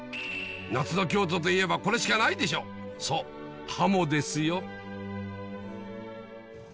夏の京都といえばこれしかないでしょそう鱧ですよ